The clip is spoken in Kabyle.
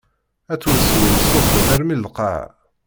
At weswir iṣubben armi d lqaɛa.